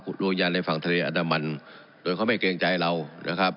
ดวงวิญญาณในฝั่งทะเลอันดามันโดยเขาไม่เกรงใจเรานะครับ